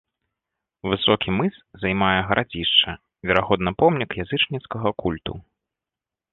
Высокі мыс займае гарадзішча, верагодна, помнік язычніцкага культу.